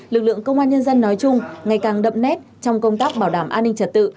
lực lượng công an nhân dân nói chung ngày càng đậm nét trong công tác bảo đảm an ninh trật tự